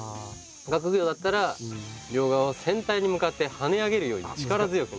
学業だったら「両側を先端に向かって跳ね上げるように力強くなでる」。